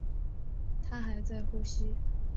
她还在呼吸